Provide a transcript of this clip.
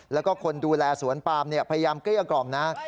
แล้วก็คนดูแลสวนปามพยายามเกลี้ยกล่อมนะ